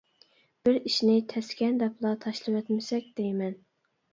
بىر ئىشنى «تەسكەن» دەپلا تاشلىۋەتمىسەك دەيمەن.